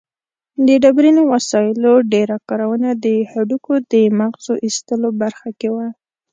د ډبرینو وسایلو ډېره کارونه د هډوکو د مغزو ایستلو برخه کې وه.